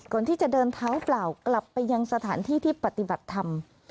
ก่อนที่จะเดินเท้าเปล่ากลับไปยังสถานที่ที่ปฏิบัติธรรม